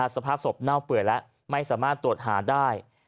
สภาพศพเน่าเปื่อยแล้วไม่สามารถตรวจหาได้